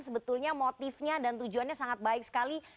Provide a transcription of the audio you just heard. sebetulnya motifnya dan tujuannya sangat baik sekali